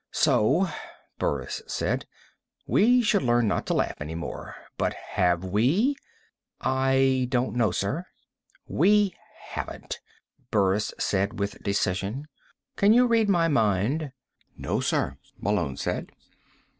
"So," Burris said, "we should learn not to laugh any more. But have we?" "I don't know, sir." "We haven't," Burris said with decision. "Can you read my mind?" "No, sir," Malone said.